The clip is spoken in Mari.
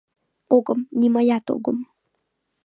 — Огым, нимаятак огым.